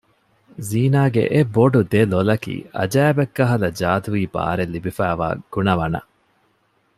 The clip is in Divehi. ޒީނާގެ އެ ބޮޑު ދެލޮލަކީ އަޖައިބެއްކަހަލަ ޖާދޫވީ ބާރެއް ލިބިފައިވާ ގުނަވަނައް